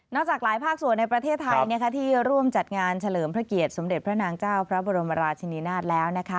จากหลายภาคส่วนในประเทศไทยที่ร่วมจัดงานเฉลิมพระเกียรติสมเด็จพระนางเจ้าพระบรมราชนีนาฏแล้ว